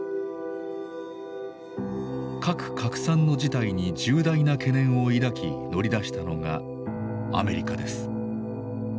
核拡散の事態に重大な懸念を抱き乗り出したのがアメリカです。